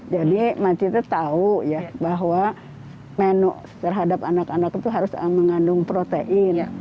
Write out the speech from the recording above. jadi makci tuh tau ya bahwa menu terhadap anak anak itu harus mengandung protein